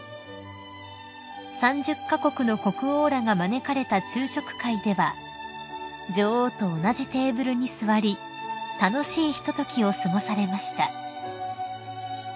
［３０カ国の国王らが招かれた昼食会では女王と同じテーブルに座り楽しいひとときを過ごされました］